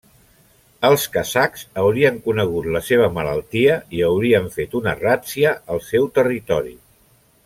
Els kazakhs haurien conegut la seva malaltia i haurien fet una ràtzia al seu territori.